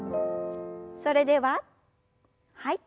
それでははい。